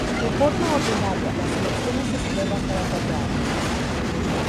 De forma ordinaria, las elecciones se celebran cada cuatro años.